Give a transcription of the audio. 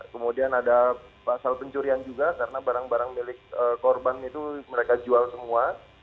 kemudian ada pasal pencurian juga karena barang barang milik korban itu mereka jual semua